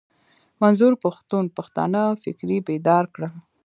منظور پښتون پښتانه فکري بيدار کړل.